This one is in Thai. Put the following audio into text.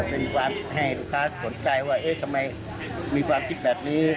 เป็นความให้ลูกค้าสนใจว่าเอ๊ะทำไมมีความคิดแบบนี้